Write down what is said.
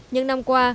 những năm qua